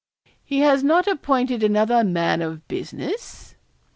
'He has not appointed another man of business?'